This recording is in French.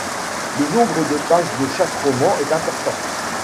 Le nombre de pages de chaque roman est important.